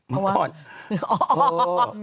เพราะว่า